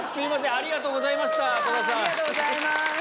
ありがとうございます。